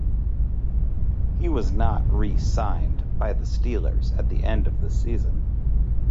He was not re-signed by the Steelers at the end of the season.